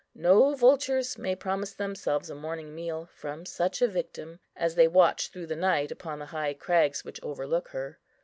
No vultures may promise themselves a morning meal from such a victim, as they watch through the night upon the high crags which overlook her.